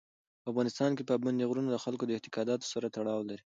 په افغانستان کې پابندی غرونه د خلکو د اعتقاداتو سره تړاو لري.